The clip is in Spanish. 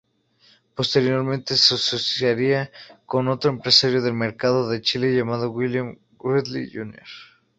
Posteriormente, se asociaría con otro empresario del mercado de chicle llamado William Wrigley Jr.